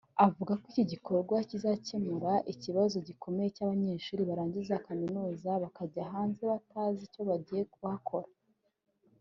avuga ko iki gikorwa kizakemura ikibazo gikomeye cy’abanyeshuri barangiza kaminuza bakajya hanze batazi icyo bagiye kuhakora